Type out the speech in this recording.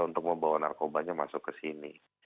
untuk membawa narkobanya masuk ke sini